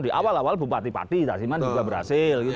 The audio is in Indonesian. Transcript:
di awal awal bupati pati tasiman juga berhasil